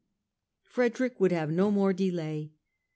Frederick would have no more delay.